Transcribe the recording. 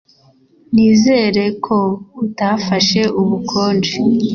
Nizere ko utafashe ubukonje.